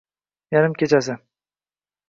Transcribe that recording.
Yarim kechasi